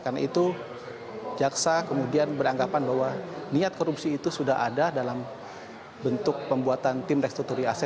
karena itu jaksa kemudian beranggapan bahwa niat korupsi itu sudah ada dalam bentuk pembuatan tim restrukturisasi